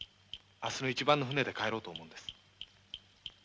明日の一番の船で帰ろうと思うんです